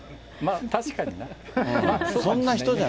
確かにな。